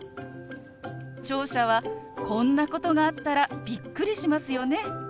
聴者はこんなことがあったらびっくりしますよね。